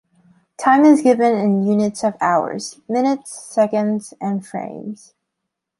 Time is given in units of hours, minutes, seconds, and frames.